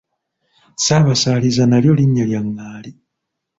Ssaabasaaliza nalyo linnya lya ngaali.